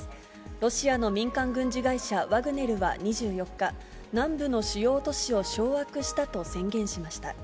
ロシアの民間軍事会社、ワグネルは２４日、南部の主要都市を掌握したと宣言しました。